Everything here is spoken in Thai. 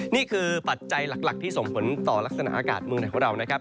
ปัจจัยหลักที่ส่งผลต่อลักษณะอากาศเมืองไหนของเรานะครับ